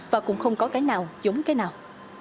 và cũng không có cái nào giống cái nào